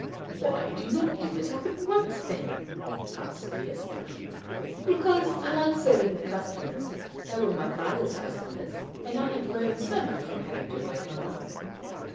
"Why do you not give it up at once then?" asked Hesper. "Because I like serving the customers. They were my father's customers; and I have learned so much from having to wait on them!"